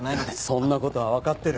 そんな事はわかってる。